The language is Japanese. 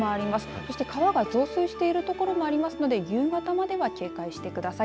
そして、川が増水している所もありますので夕方までは警戒してください。